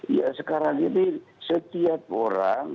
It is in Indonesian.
ya sekarang ini setiap orang